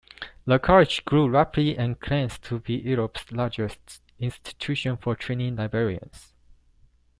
The College grew rapidly and claims to be Europe's largest institution for training librarians.